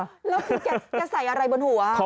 แล้วแกใส่อะไรบนหัว